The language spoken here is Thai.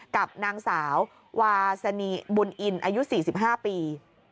กับนางสาววาสนีบุญอินอายุ๔๕ปี